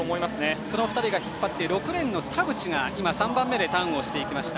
その２人が引っ張って６レーンの田渕が３番目でターンしました。